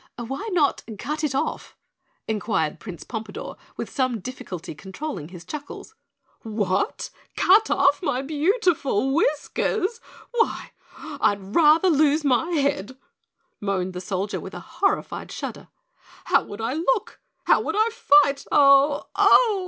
"Why not cut it off?" inquired Prince Pompadore, with some difficulty controlling his chuckles. "What? Cut off my beautiful whiskers? Why, why, I'd rather lose my head," moaned the Soldier with a horrified shudder. "How would I look? How would I fight? Oh! Oh!